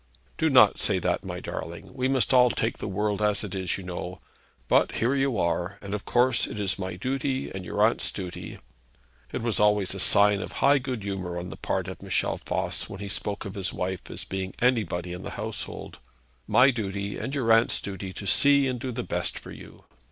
'Do not say that, my darling. We must all take the world as it is, you know. But here you are, and of course it is my duty and your aunt's duty ' it was always a sign of high good humour on the part of Michel Voss, when he spoke of his wife as being anybody in the household 'my duty and your aunt's duty to see and do the best for you.'